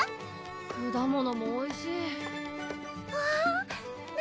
果物もおいしいわっ何？